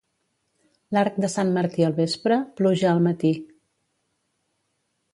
L'arc de sant Martí al vespre, pluja al matí.